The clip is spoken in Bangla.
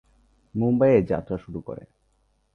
মুম্বাইয়ে যাত্রা শুরু করে।